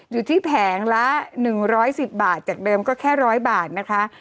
อยู่ที่แผงละหนึ่งร้อยสิบบาทจากเดิมก็แค่ร้อยบาทนะคะ